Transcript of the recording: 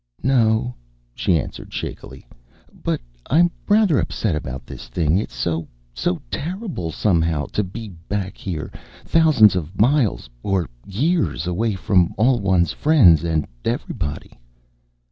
"No," she answered shakily, "but I'm rather upset about this thing. It's so so terrible, somehow, to be back here, thousands of miles, or years, away from all one's friends and everybody."